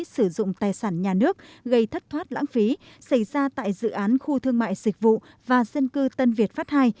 sử dụng tài sản nhà nước gây thất thoát lãng phí xảy ra tại dự án khu thương mại dịch vụ và dân cư tân việt pháp ii